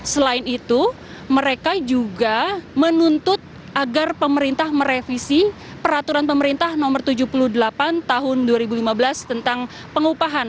selain itu mereka juga menuntut agar pemerintah merevisi peraturan pemerintah nomor tujuh puluh delapan tahun dua ribu lima belas tentang pengupahan